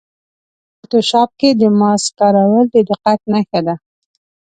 فوټوشاپ کې د ماسک کارول د دقت نښه ده.